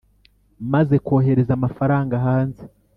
Maze kohereza amafaranga hanze